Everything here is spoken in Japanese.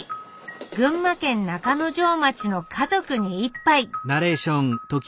群馬県中之条町の「家族に一杯」